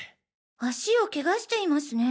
足をケガしていますね。